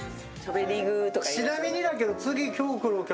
ちなみにだけど。